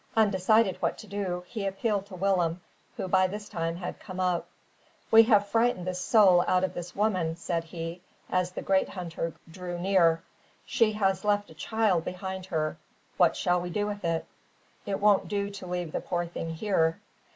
Undecided what to do, he appealed to Willem, who, by this, had come up. "We have frightened the soul out of this woman," said he, as the great hunter drew near. "She has left a child behind her. What shall we do with it? It won't do to leave the poor thing here."